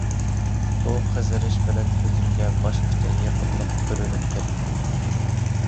بۇ قىزىرىش بىلەن كۆزۈمگە باشقىچە يېقىملىق كۆرۈنۈپ كەتتى.